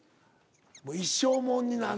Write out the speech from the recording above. もう一生もんになる。